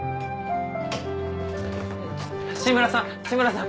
紫村さん紫村さん。